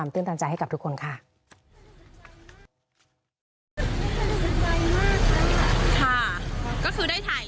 อะแล้วท่านตอบอะไรได้คะพี่